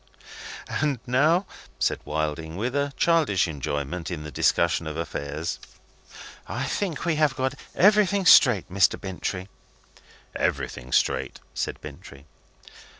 "And now," said Wilding, with a childish enjoyment in the discussion of affairs, "I think we have got everything straight, Mr. Bintrey." "Everything straight," said Bintrey.